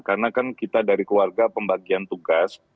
karena kan kita dari keluarga pembagian tugas